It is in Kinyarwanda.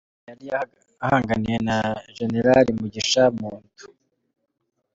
Ni umwanya yari ahanganiye na Generari Mugisha Muntu.